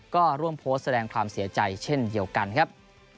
ก็ร่วมโพสต์แสดงความเสียใจเช่นเดียวกันครับ